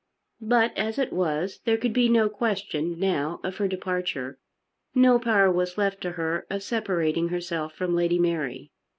But, as it was, there could be no question now of her departure. No power was left to her of separating herself from Lady Mary.